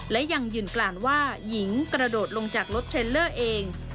และยังยืนกลานว่าหญิงกระโดดลงจากรถเทรลเลอร์เอง